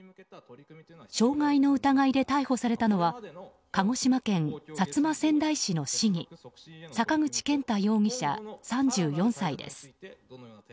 傷害の疑いで逮捕されたのは鹿児島県薩摩川内市の市議坂口健太容疑者、３４歳です。